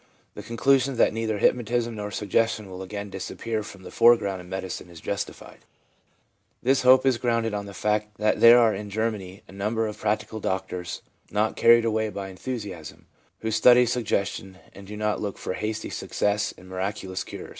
... The con clusion that neither hypnotism nor suggestion will again disappear from the foreground in medicine is justified. This hope is grounded on the fact that there are in Germany a number of practical doctors, not carried away by enthusiasm, who study suggestion, and do not look for hasty successes and " miraculous " cures/ 2 The 1 See; for example, A.